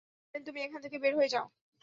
তিনি বললেন, তুমি এখান থেকে বের হয়ে যাও।